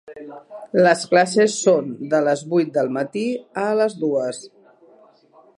Les classes són de les vuit del matí a les dues.